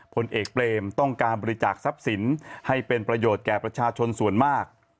ผลเอกเปรมต้องการบริจาคทรัพย์สินให้เป็นประโยชน์แก่ประชาชนส่วนมาก